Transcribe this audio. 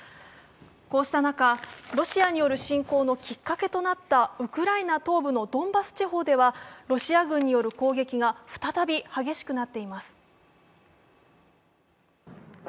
こうした中、ロシアによる侵攻のきっかけとなったウクライナ東部のドンバス地方ではロシア軍による攻撃が再び激しくなっています。